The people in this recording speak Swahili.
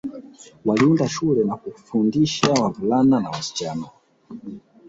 Waliunda shule na kuwafundisha wavulana na wasichana